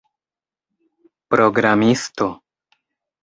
programisto